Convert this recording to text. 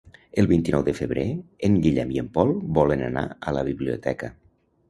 El vint-i-nou de febrer en Guillem i en Pol volen anar a la biblioteca.